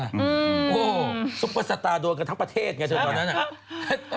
โอ้โหซุปเปอร์สตาร์โดนกันทั้งประเทศไงเธอตอนนั้นน่ะ